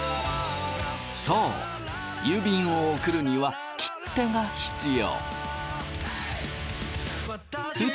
そう郵便を送るには切手が必要。